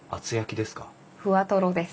ふわとろです。